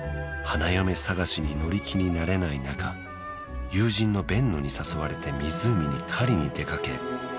花嫁探しに乗り気になれない中友人のベンノに誘われて湖に狩りに出かけ